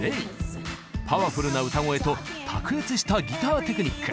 パワフルな歌声と卓越したギターテクニック。